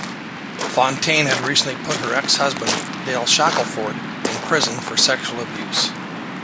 Fontaine had recently put her ex-husband Dale Shackleford in prison for sexual abuse.